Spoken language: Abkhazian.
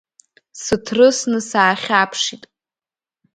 Сыҭрысны саахьаԥшит.